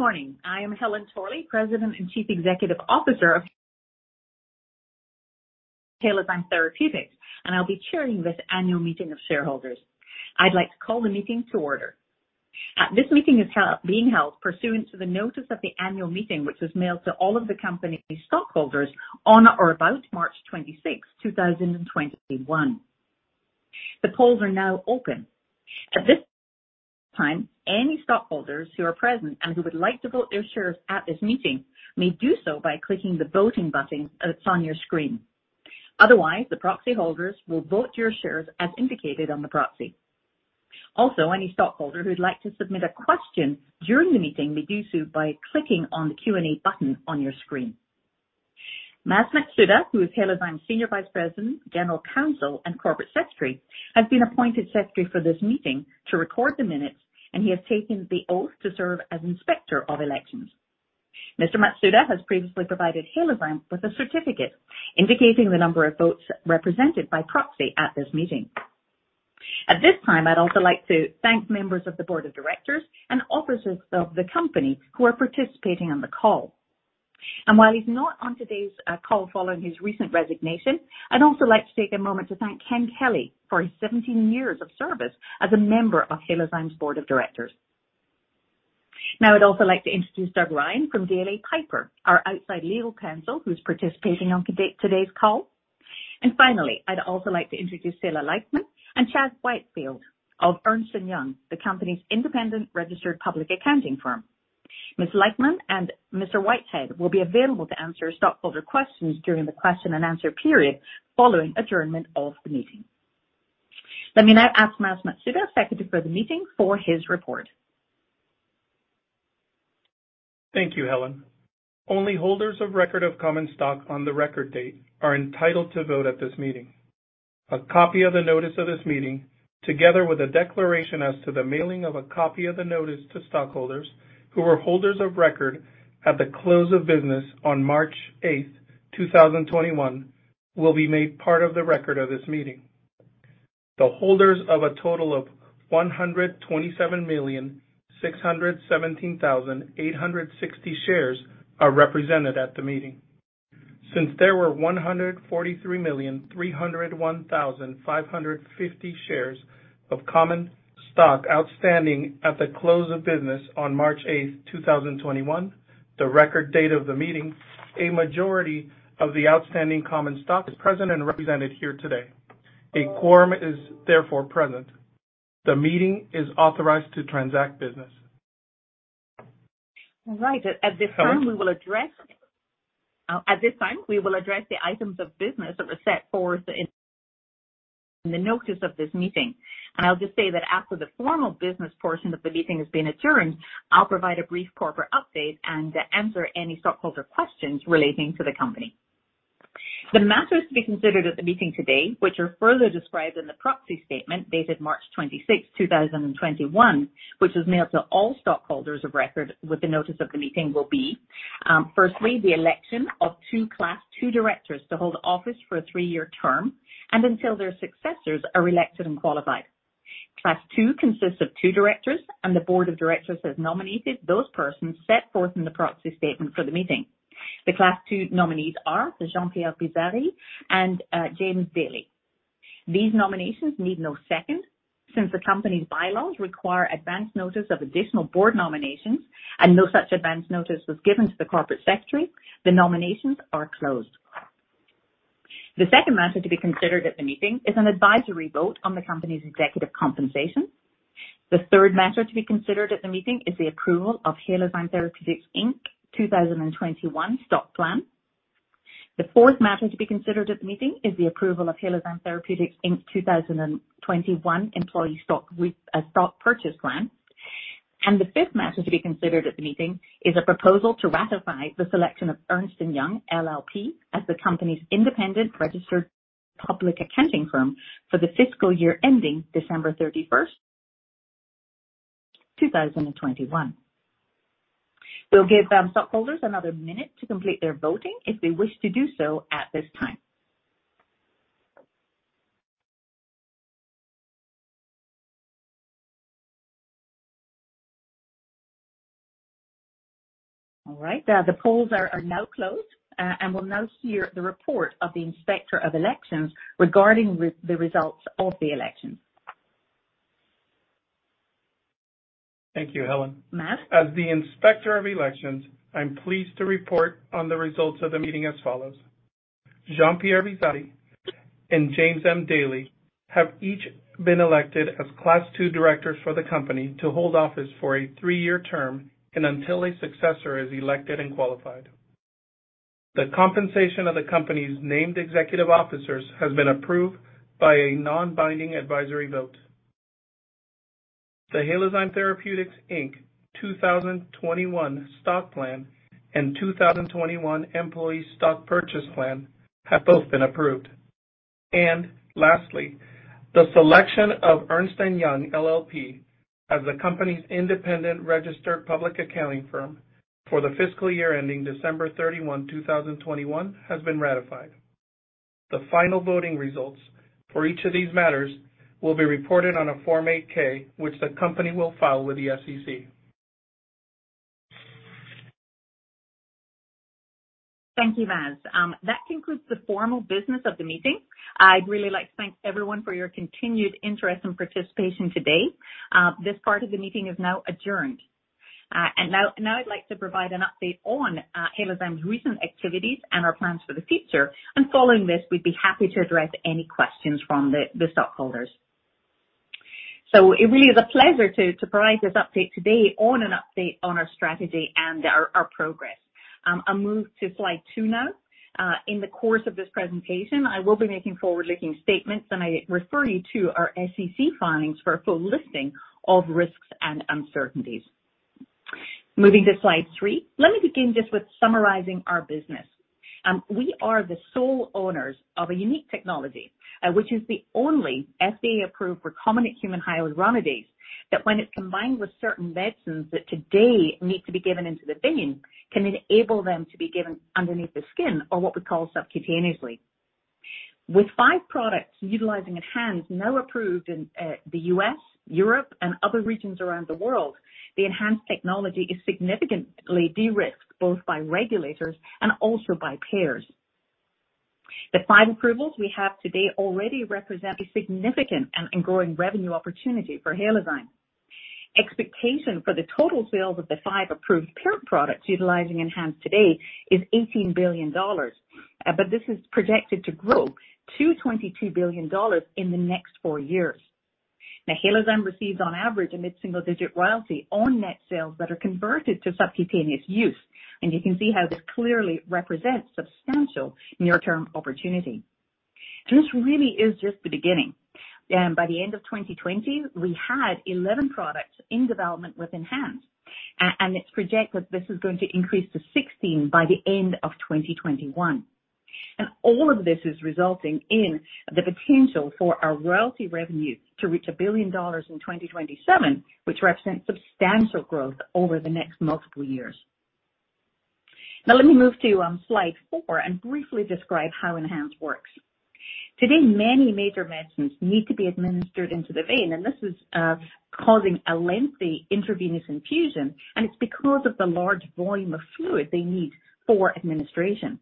Good morning. I am Helen Torley, President and Chief Executive Officer of Halozyme Therapeutics, and I'll be chairing this Annual Meeting of Shareholders. I'd like to call the meeting to order. This meeting is being held pursuant to the notice of the annual meeting, which was mailed to all of the company's stockholders on or about March 26, 2021. The polls are now open. At this time, any stockholders who are present and who would like to vote their shares at this meeting may do so by clicking the voting button that's on your screen. Otherwise, the proxy holders will vote your shares as indicated on the proxy. Also, any stockholder who'd like to submit a question during the meeting may do so by clicking on the Q&A button on your screen. Masaru Matsuda, who is Halozyme's Senior Vice President, General Counsel, and Corporate Secretary, has been appointed Secretary for this meeting to record the minutes, and he has taken the oath to serve as Inspector of Elections. Mr. Matsuda has previously provided Halozyme with a certificate indicating the number of votes represented by proxy at this meeting. At this time, I'd also like to thank members of the Board of Directors and officers of the company who are participating on the call, and while he's not on today's call following his recent resignation, I'd also like to take a moment to thank Ken Kelley for his 17 years of service as a member of Halozyme's Board of Directors. Now, I'd also like to introduce Douglas Rein from DLA Piper, our outside Legal Counsel who's participating on today's call. And finally, I'd also like to introduce Sarah Likeman and Chad Whitehead of Ernst & Young, the company's independent registered public accounting firm. Ms. Likeman and Mr. Whitehead will be available to answer stockholder questions during the question and answer period following adjournment of the meeting. Let me now ask Masaru Matsuda, Secretary for the meeting, for his report. Thank you, Helen. Only holders of record of common stock on the record date are entitled to vote at this meeting. A copy of the notice of this meeting, together with a declaration as to the mailing of a copy of the notice to stockholders who were holders of record at the close of business on March 8, 2021, will be made part of the record of this meeting. The holders of a total of 127,617,860 shares are represented at the meeting. Since there were 143,301,550 shares of common stock outstanding at the close of business on March 8, 2021, the record date of the meeting, a majority of the outstanding common stock is present and represented here today. A quorum is therefore present. The meeting is authorized to transact business. All right. At this time, we will address the items of business set forth in the notice of this meeting, and I'll just say that after the formal business portion of the meeting has been adjourned, I'll provide a brief corporate update and answer any stockholder questions relating to the company. The matters to be considered at the meeting today, which are further described in the proxy statement dated March 26, 2021, which was mailed to all stockholders of record with the notice of the meeting, will be, firstly, the election of two Class II directors to hold office for a three-year term and until their successors are elected and qualified. Class II consists of two directors, and the Board of Directors has nominated those persons set forth in the proxy statement for the meeting. The Class II nominees are Jean-Pierre Bizzari and James M. Daly. These nominations need no second. Since the company's bylaws require advance notice of additional board nominations and no such advance notice was given to the corporate secretary, the nominations are closed. The second matter to be considered at the meeting is an advisory vote on the company's executive compensation. The third matter to be considered at the meeting is the approval of Halozyme Therapeutics, Inc. 2021 Stock Plan. The fourth matter to be considered at the meeting is the approval of Halozyme Therapeutics, Inc. 2021 Employee Stock Purchase Plan, and the fifth matter to be considered at the meeting is a proposal to ratify the selection of Ernst & Young LLP as the company's independent registered public accounting firm for the fiscal year ending December 31st, 2021. We'll give stockholders another minute to complete their voting if they wish to do so at this time. All right. The polls are now closed, and we'll now hear the report of the Inspector of Elections regarding the results of the election. Thank you, Helen. Mas? As the Inspector of Elections, I'm pleased to report on the results of the meeting as follows. Jean-Pierre Bizzari and James M. Daly have each been elected as Class II Directors for the company to hold office for a three-year term and until a successor is elected and qualified. The compensation of the company's named executive officers has been approved by a non-binding advisory vote. The Halozyme Therapeutics Inc. 2021 Stock Plan and 2021 Employee Stock Purchase Plan have both been approved. And lastly, the selection of Ernst & Young LLP as the company's independent registered public accounting firm for the fiscal year ending December 31, 2021, has been ratified. The final voting results for each of these matters will be reported on a Form 8-K, which the company will file with the SEC. Thank you, Mas. That concludes the formal business of the meeting. I'd really like to thank everyone for your continued interest and participation today. This part of the meeting is now adjourned. And now I'd like to provide an update on Halozyme's recent activities and our plans for the future. And following this, we'd be happy to address any questions from the stockholders. So it really is a pleasure to provide this update today on an update on our strategy and our progress. I'll move to slide two now. In the course of this presentation, I will be making forward-looking statements, and I refer you to our SEC filings for a full listing of risks and uncertainties. Moving to slide three, let me begin just with summarizing our business. We are the sole owners of a unique technology, which is the only FDA-approved recombinant human hyaluronidase that, when it's combined with certain medicines that today need to be given into the vein, can enable them to be given underneath the skin or what we call subcutaneously. With five products utilizing ENHANZE now approved in the U.S., Europe, and other regions around the world, the ENHANZE technology is significantly de-risked both by regulators and also by payers. The five approvals we have today already represent a significant and growing revenue opportunity for Halozyme. Expectation for the total sales of the five approved parent products utilizing ENHANZE today is $18 billion, but this is projected to grow to $22 billion in the next four years. Now, Halozyme receives, on average, a mid-single-digit royalty on net sales that are converted to subcutaneous use. And you can see how this clearly represents substantial near-term opportunity. And this really is just the beginning. By the end of 2020, we had 11 products in development with ENHANZE, and it's projected this is going to increase to 16 by the end of 2021. And all of this is resulting in the potential for our royalty revenue to reach $1 billion in 2027, which represents substantial growth over the next multiple years. Now, let me move to slide four and briefly describe how ENHANZE works. Today, many major medicines need to be administered into the vein, and this is causing a lengthy intravenous infusion, and it's because of the large volume of fluid they need for administration.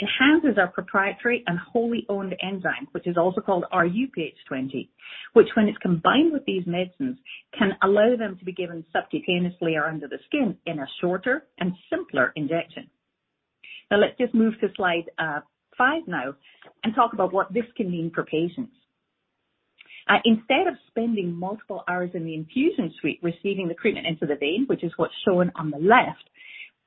ENHANZE is our proprietary and wholly owned enzyme, which is also called rHuPH20, which, when it's combined with these medicines, can allow them to be given subcutaneously or under the skin in a shorter and simpler injection. Now, let's just move to slide five now and talk about what this can mean for patients. Instead of spending multiple hours in the infusion suite receiving the treatment into the vein, which is what's shown on the left,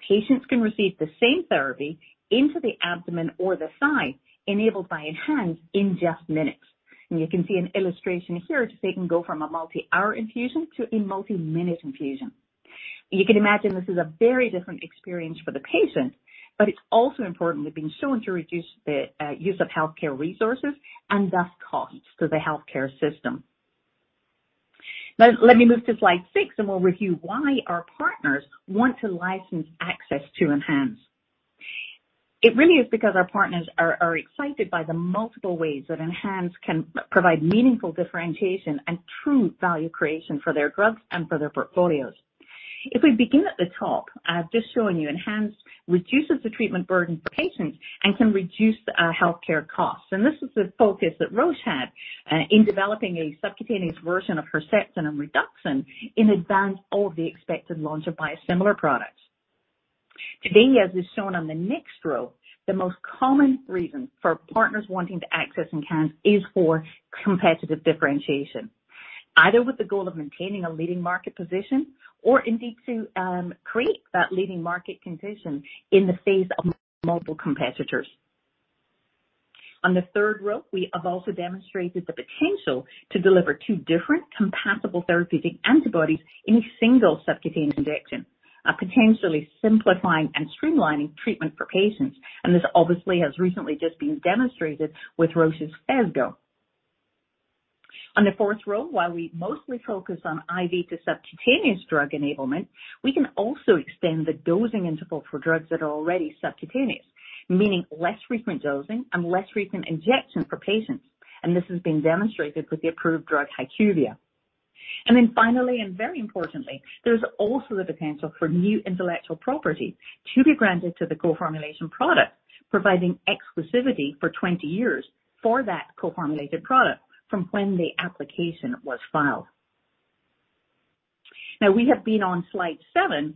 patients can receive the same therapy into the abdomen or the thigh enabled by ENHANZE in just minutes. You can see an illustration here to say it can go from a multi-hour infusion to a multi-minute infusion. You can imagine this is a very different experience for the patient, but it's also importantly been shown to reduce the use of healthcare resources and thus costs to the healthcare system. Now, let me move to slide six, and we'll review why our partners want to license access to ENHANZE. It really is because our partners are excited by the multiple ways that ENHANZE can provide meaningful differentiation and true value creation for their drugs and for their portfolios. If we begin at the top, I've just shown you ENHANZE reduces the treatment burden for patients and can reduce healthcare costs, and this is the focus that Roche had in developing a subcutaneous version of Herceptin and Rituxan in advance of the expected launch of biosimilar products. Today, as is shown on the next row, the most common reason for partners wanting to access ENHANZE is for competitive differentiation, either with the goal of maintaining a leading market position or indeed to create that leading market condition in the face of multiple competitors. On the third row, we have also demonstrated the potential to deliver two different compatible therapeutic antibodies in a single subcutaneous injection, potentially simplifying and streamlining treatment for patients, and this obviously has recently just been demonstrated with Roche's Phesgo. On the fourth row, while we mostly focus on IV to subcutaneous drug enablement, we can also extend the dosing interval for drugs that are already subcutaneous, meaning less frequent dosing and less frequent injection for patients, and this has been demonstrated with the approved drug HyQvia, and then finally, and very importantly, there is also the potential for new intellectual property to be granted to the co-formulation product, providing exclusivity for 20 years for that co-formulated product from when the application was filed. Now, we have been on slide seven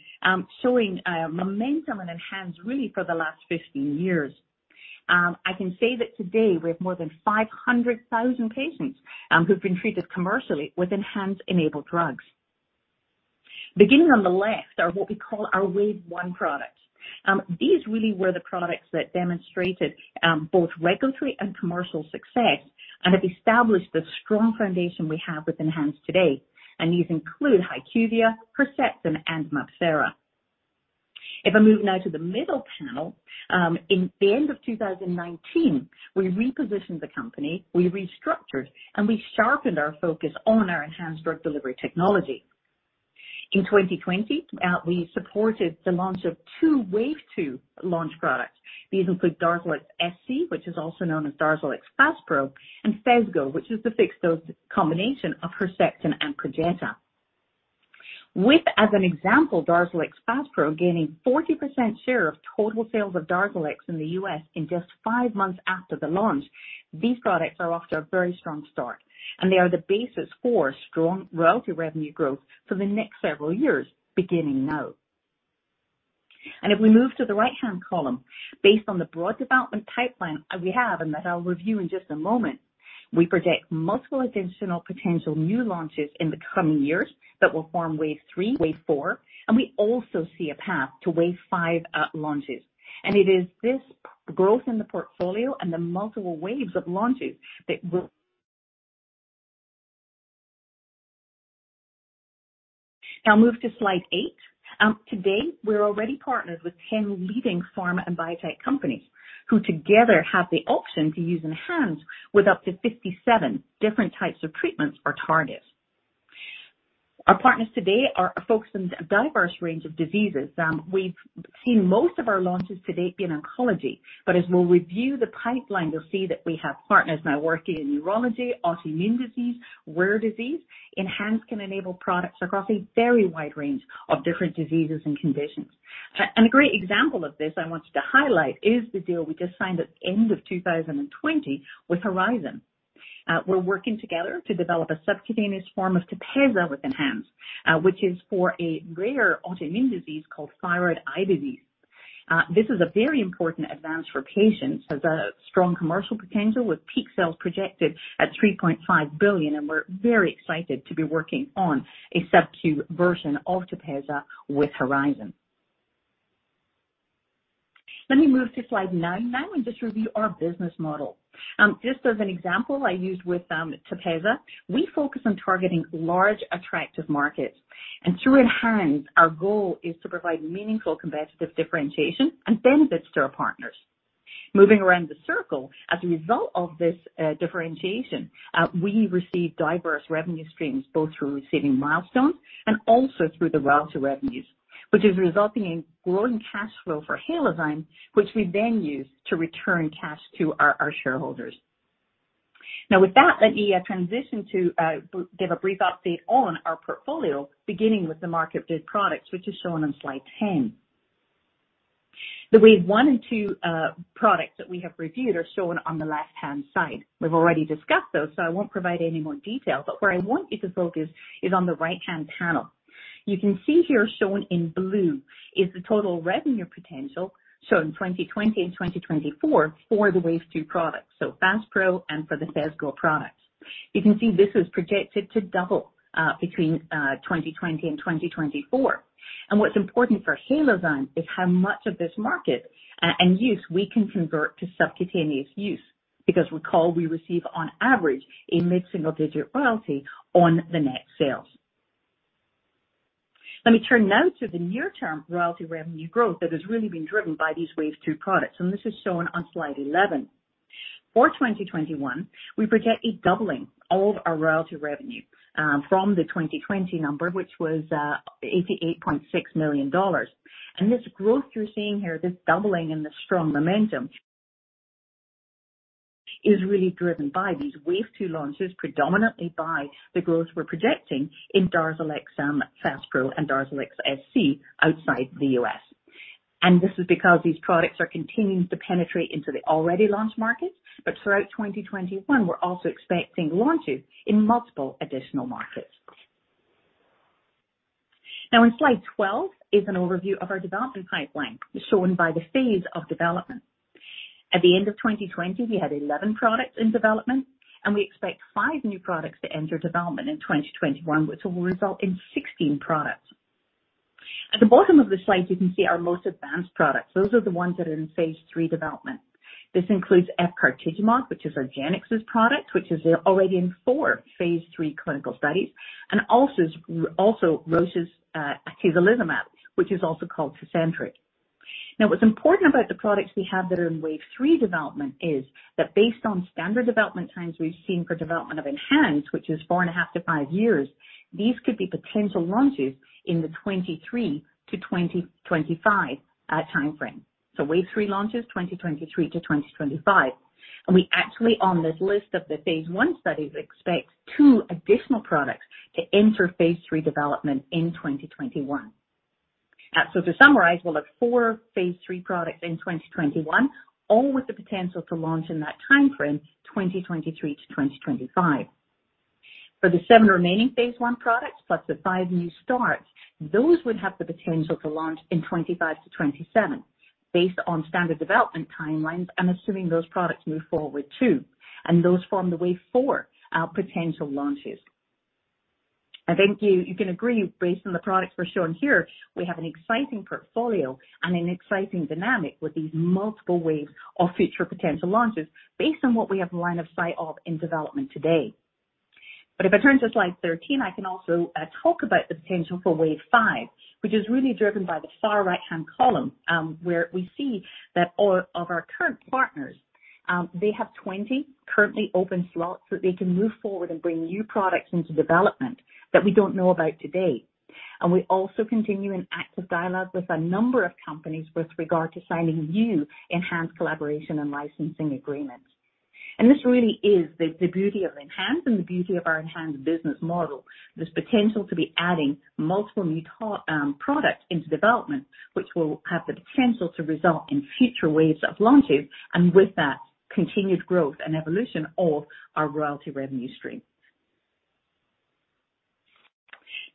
showing momentum in ENHANZE, really for the last 15 years. I can say that today we have more than 500,000 patients who've been treated commercially with ENHANZE-enabled drugs. Beginning on the left are what we call our Wave 1 products. These really were the products that demonstrated both regulatory and commercial success and have established the strong foundation we have with ENHANZE today, and these include HyQvia, Herceptin, and MabThera. If I move now to the middle panel, in the end of 2019, we repositioned the company, we restructured, and we sharpened our focus on our ENHANZE drug delivery technology. In 2020, we supported the launch of two Wave 2 launch products. These include Darzalex SC, which is also known as Darzalex Faspro, and Phesgo, which is the fixed dose combination of Herceptin and Perjeta. With, as an example, Darzalex Faspro gaining 40% share of total sales of Darzalex in the U.S. in just five months after the launch, these products are off to a very strong start, and they are the basis for strong royalty revenue growth for the next several years beginning now. And if we move to the right-hand column, based on the broad development pipeline we have and that I'll review in just a moment, we project multiple additional potential new launches in the coming years that will form Wave 3, Wave 4 and we also see a path to Wave 5 launches. And it is this growth in the portfolio and the multiple waves of launches that will. Now, move to slide eight. Today, we're already partnered with 10 leading pharma and biotech companies who together have the option to use ENHANZE with up to 57 different types of treatments or targets. Our partners today are focused on a diverse range of diseases. We've seen most of our launches to date be in oncology, but as we'll review the pipeline, you'll see that we have partners now working in neurology, autoimmune disease, rare disease. ENHANZE can enable products across a very wide range of different diseases and conditions. And a great example of this I wanted to highlight is the deal we just signed at the end of 2020 with Horizon. We're working together to develop a subcutaneous form of TEPEZZA with ENHANZE, which is for a rare autoimmune disease called thyroid eye disease. This is a very important advance for patients for the strong commercial potential with peak sales projected at $3.5 billion, and we're very excited to be working on a subQ version of TEPEZZA with Horizon. Let me move to slide nine now and just review our business model. Just as an example I used with TEPEZZA, we focus on targeting large attractive markets, and through ENHANZE, our goal is to provide meaningful competitive differentiation and benefits to our partners. Moving around the circle, as a result of this differentiation, we receive diverse revenue streams both through receiving milestones and also through the royalty revenues, which is resulting in growing cash flow for Halozyme, which we then use to return cash to our shareholders. Now, with that, let me transition to give a brief update on our portfolio, beginning with the marketed products, which is shown on slide 10. The Wave 1 and 2 products that we have reviewed are shown on the left-hand side. We've already discussed those, so I won't provide any more detail, but where I want you to focus is on the right-hand panel. You can see here shown in blue is the total revenue potential shown in 2020 and 2024 for the Wave 2 products, so Faspro and for the Phesgo products. You can see this was projected to double between 2020 and 2024, and what's important for Halozyme is how much of this market and use we can convert to subcutaneous use because recall we receive on average a mid-single-digit royalty on the net sales. Let me turn now to the near-term royalty revenue growth that has really been driven by these Wave 2 products, and this is shown on slide 11. For 2021, we project a doubling of our royalty revenue from the 2020 number, which was $88.6 million. And this growth you're seeing here, this doubling and this strong momentum, is really driven by these Wave 2 launches, predominantly by the growth we're projecting in Darzalex Faspro and Darzalex SC outside the U.S. And this is because these products are continuing to penetrate into the already launched markets, but throughout 2021, we're also expecting launches in multiple additional markets. Now, on slide 12 is an overview of our development pipeline shown by the phase of development. At the end of 2020, we had 11 products in development, and we expect five new products to enter development in 2021, which will result in 16 products. At the bottom of the slide, you can see our most advanced products. Those are the ones that are in phase III development. This includes efgartigimod, which is argenx's product, which is already in four phase III clinical studies, and also Roche's atezolizumab, which is also called Tecentriq. Now, what's important about the products we have that are in Wave 3 development is that based on standard development times we've seen for development of ENHANZE, which is four and a half to five years, these could be potential launches in the 2023 to 2025 timeframe. So Wave 3 launches 2023 to 2025. And we actually, on this list of the phase I studies, expect two additional products to enter phase III development in 2021. So to summarize, we'll have four phase III products in 2021, all with the potential to launch in that timeframe, 2023 to 2025. For the seven remaining phase I products plus the five new starts, those would have the potential to launch in 2025 to 2027 based on standard development timelines. I'm assuming those products move forward too, and those form the Wave 4 potential launches. I think you can agree, based on the products we're showing here, we have an exciting portfolio and an exciting dynamic with these multiple waves of future potential launches based on what we have a line of sight of in development today, but if I turn to slide 13, I can also talk about the potential for Wave 5, which is really driven by the far right-hand column where we see that all of our current partners, they have 20 currently open slots that they can move forward and bring new products into development that we don't know about today. We also continue in active dialogue with a number of companies with regard to signing new ENHANZE collaboration and licensing agreements. This really is the beauty of ENHANZE and the beauty of our ENHANZE business model. There's potential to be adding multiple new products into development, which will have the potential to result in future waves of launches and with that, continued growth and evolution of our royalty revenue stream.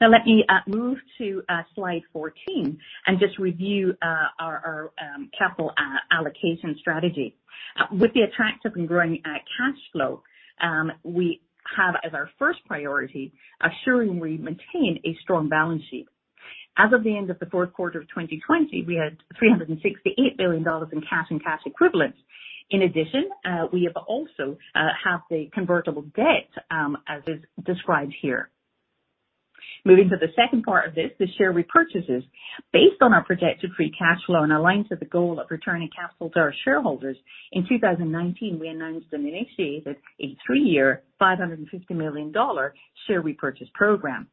Now, let me move to slide 14 and just review our capital allocation strategy. With the attractive and growing cash flow, we have as our first priority assuring we maintain a strong balance sheet. As of the end of the fourth quarter of 2020, we had $368 million in cash and cash equivalents. In addition, we have also had the convertible debt as described here. Moving to the second part of this, the share repurchases. Based on our projected free cash flow and aligned to the goal of returning capital to our shareholders, in 2019, we announced and initiated a three-year $550 million share repurchase program.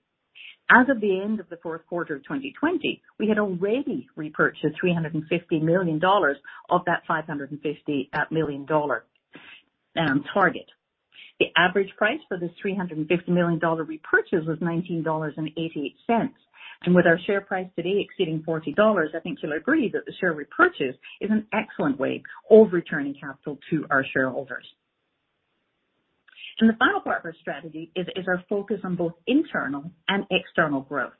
As of the end of the fourth quarter of 2020, we had already repurchased $350 million of that $550 million target. The average price for this $350 million repurchase was $19.88. And with our share price today exceeding $40, I think you'll agree that the share repurchase is an excellent way of returning capital to our shareholders. And the final part of our strategy is our focus on both internal and external growth.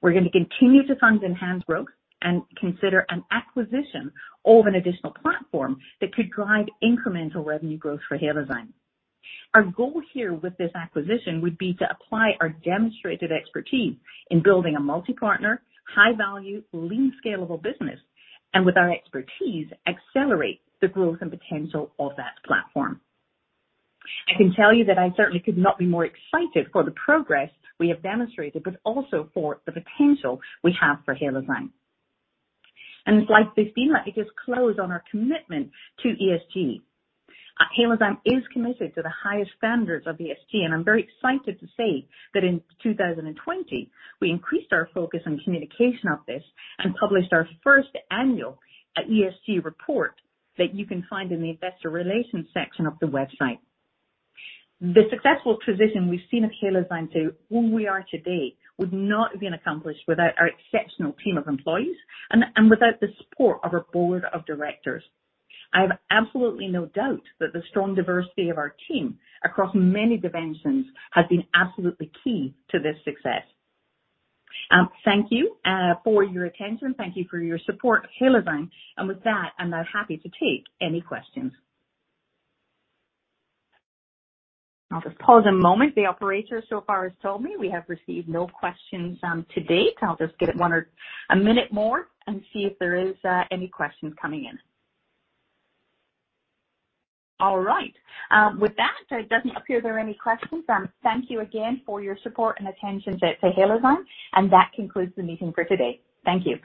We're going to continue to fund enhanced growth and consider an acquisition of an additional platform that could drive incremental revenue growth for Halozyme. Our goal here with this acquisition would be to apply our demonstrated expertise in building a multi-partner, high-value, lean scalable business, and with our expertise, accelerate the growth and potential of that platform. I can tell you that I certainly could not be more excited for the progress we have demonstrated, but also for the potential we have for Halozyme, and in slide 15, let me just close on our commitment to ESG. Halozyme is committed to the highest standards of ESG, and I'm very excited to say that in 2020, we increased our focus on communication of this and published our first annual ESG report that you can find in the investor relations section of the website. The successful transition we've seen of Halozyme to who we are today would not have been accomplished without our exceptional team of employees and without the support of our Board of Directors. I have absolutely no doubt that the strong diversity of our team across many dimensions has been absolutely key to this success. Thank you for your attention. Thank you for your support of Halozyme. And with that, I'm now happy to take any questions. I'll just pause a moment. The operator so far has told me we have received no questions to date. I'll just give it one or a minute more and see if there are any questions coming in. All right. With that, it doesn't appear there are any questions. Thank you again for your support and attention to Halozyme, and that concludes the meeting for today. Thank you.